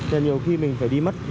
nhiều khi mình phải đi mất